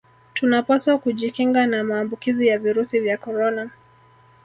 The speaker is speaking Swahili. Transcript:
tunapaswa kujikinga na maambukizi ya virusi vya korona